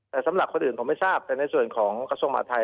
แต่สำหรับคนอื่นผมไม่ทราบแต่ในส่วนของกระทรวงมหาทัย